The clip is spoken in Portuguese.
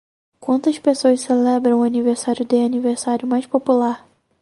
Quantas pessoas celebram o aniversário de aniversário mais popular?